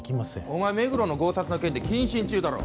お前目黒の強殺の件で謹慎中だろ？